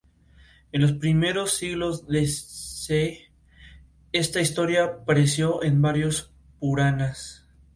En los primeros siglos d. C. esta historia apareció en varios "Puranas".